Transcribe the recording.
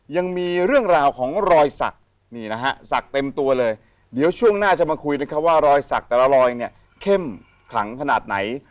ยังมีเรื่องราวของรอยสักนี่นะฮะศักดิ์เต็มตัวเลยเดี๋ยวช่วงหน้าจะมาคุยนะครับว่ารอยสักแต่ละรอยเนี่ยเข้มขลังขนาดไหน